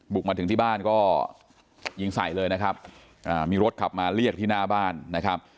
มาถึงที่บ้านก็ยิงใส่เลยนะครับอ่ามีรถขับมาเรียกที่หน้าบ้านนะครับ